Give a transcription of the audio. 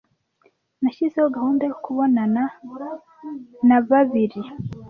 Nashyizeho gahunda yo kubonana na babiri.